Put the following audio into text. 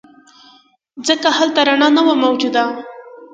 ځکه هلته رڼا نه وه موجوده.